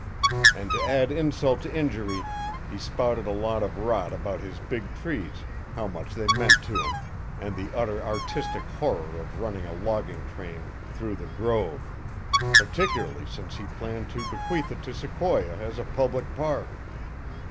And to add insult to injury, he spouted a lot of rot about his big trees, how much they meant to him, and the utter artistic horror of running a logging train through the grove particularly since he planned to bequeath it to Sequoia as a public park.